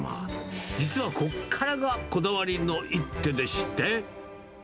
実はここからがこだわりの一手でして。